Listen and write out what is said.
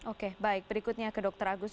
oke baik berikutnya ke dr agus